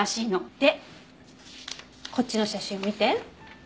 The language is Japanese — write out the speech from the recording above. でこっちの写真を見て。